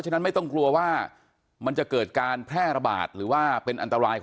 นี่นี่นี่นี่นี่นี่